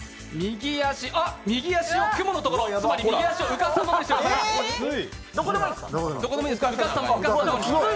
右足を雲のところつまり右足を浮かせてください。